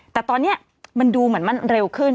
แต่ตอนนี้มันดูเหมือนมันเร็วขึ้น